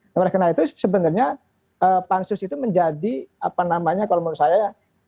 karena itu sebenarnya pansus itu menjadi apa namanya kalau menurut saya